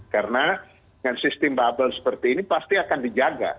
karena dengan sistem bubble seperti ini pasti akan dijaga